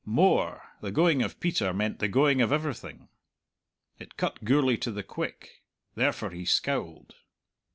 More the going of Peter meant the going of everything. It cut Gourlay to the quick. Therefore he scowled.